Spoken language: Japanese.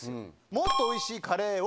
もっとおいしいカレーを。